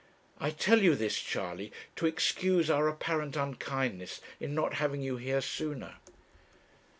I tell you this, Charley, to excuse our apparent unkindness in not having you here sooner.'